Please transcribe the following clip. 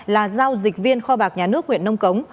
là giao dịch viên kho bạc nhà nước huyện nông cống